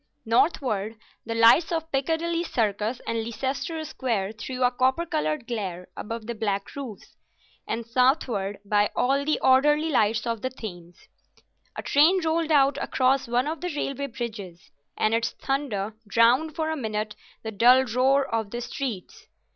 Northward the lights of Piccadilly Circus and Leicester Square threw a copper coloured glare above the black roofs, and southward by all the orderly lights of the Thames. A train rolled out across one of the railway bridges, and its thunder drowned for a minute the dull roar of the streets.